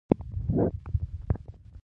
لوبه ګرمه ده